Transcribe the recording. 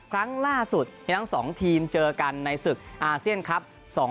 ครั้งล่าสุดที่ทั้ง๒ทีมเจอกันในศึกอาเซียนครับ